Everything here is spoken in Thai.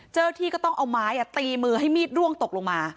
เจ้าหน้าที่ก็ต้องเอาไม้ตีมือให้มีดร่วงตกลงมา